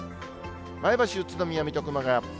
前橋、宇都宮、水戸、熊谷。